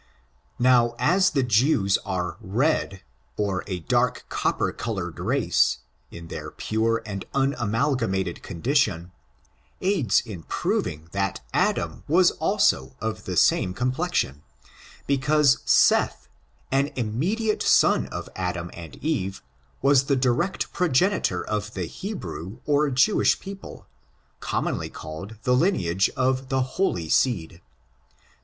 Now, as the Jews are red^ or a dark copper colored race, in their pure and unamalgamated condition, aids in proving that Adam was also of the same com' plexion, because SETHjSLnimmediate son of Adam and Eve, was the direct progenitor of the Hebrew, or Jewish people, commonly called the lineage of the holy seed.